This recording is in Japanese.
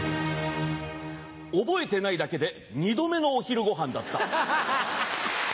覚えてないだけで２度目のお昼ごはんだった。